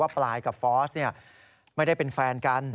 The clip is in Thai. ว่าปลายกับฟอสเนี่ยไม่ได้เป็นแฟนกัน